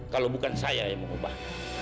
kalau bukan saya yang mengubah